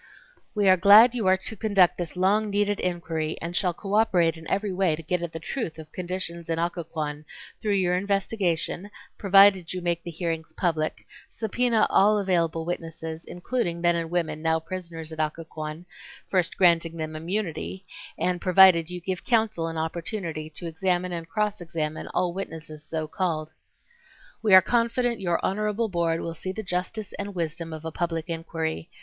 We are glad you are to conduct this long needed inquiry and shall cooperate in every way to get at the truth of conditions in Occoquan through your investigation, provided you make the hearings public, subpoena all available witnesses, including men and women now prisoners at Occoquan, first granting them immunity, and provided you give counsel an opportunity to examine and cross examine all witnesses so called. We are confident your honorable board will see the justice and wisdom of a public inquiry.